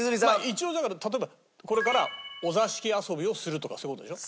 一応だから例えばこれからお座敷遊びをするとかそういう事でしょ？